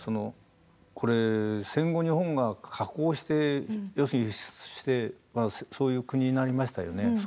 これは戦後日本が加工して輸出してそういう国になりましたよね。